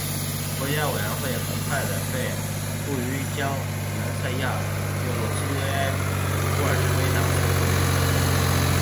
国家委员会很快的被呼吁将南奥塞梯并入苏维埃的布尔什维克党人所控制。